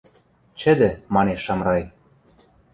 — Чӹдӹ, — манеш Шамрай.